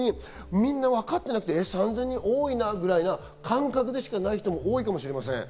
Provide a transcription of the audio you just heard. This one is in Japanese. みんな分かってなくて、３０００人多いなぐらいの感覚でしかない人も多いかもしれません。